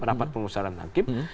rapat pengusahaan hakim